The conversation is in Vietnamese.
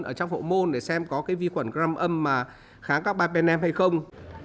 ở trong hộ môn để xem có cái vi khuẩn gram âm mà kháng các bạn bên em hay không